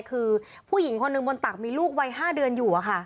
คือผู้หญิงคนหนึ่งบนตักมีลูกวัย๕เดือนอยู่